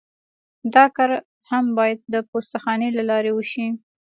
دا کار هم باید د پوسته خانې له لارې وشي